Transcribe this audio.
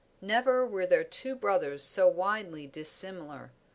Never were there two brothers so widely dissimilar.